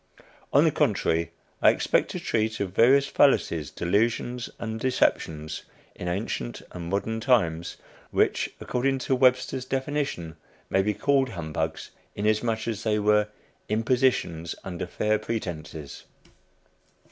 On the contrary, I expect to treat of various fallacies, delusions, and deceptions in ancient and modern times, which, according to Webster's definition, may be called "humbugs," inasmuch as they were "impositions under fair pretences."